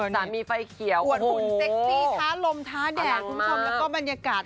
สามีไฟเขียวอวดหุ่นเซ็กซี่ท้าลมท้าแดดคุณผู้ชมแล้วก็บรรยากาศ